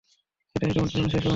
এটাই তোমাদের জন্য শেষ ওয়ার্নিং।